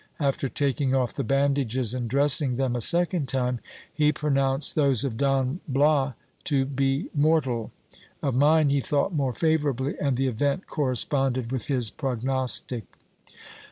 After taking off the bandages and dressing them a second time, he pronounced those of Don Bias to be mortal. Of mine he thought more favourably, and the event corresponded with his prognostic.